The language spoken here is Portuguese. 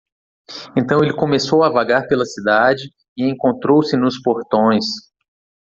Então ele começou a vagar pela cidade? e encontrou-se nos portões.